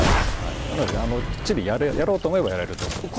なのできっちりやろうと思えばやれると思います。